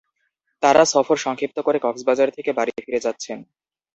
তাঁরা সফর সংক্ষিপ্ত করে কক্সবাজার থেকে বাড়ি ফিরে যাচ্ছেন।